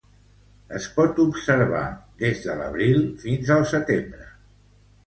Es pot observar des de l'abril fins al setembre.